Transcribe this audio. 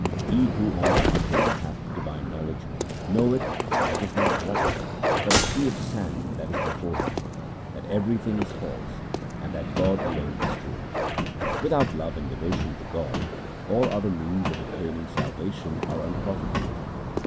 He who on the contrary hath divine knowledge, knoweth that it is not water, but a sea of sand that is before him, that everything is false and that God alone is true. Without love and devotion to God all other means of obtaining salvation are unprofitable.